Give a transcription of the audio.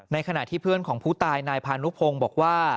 ขณะที่เพื่อนของผู้ตายนายพานุพงศ์บอกว่า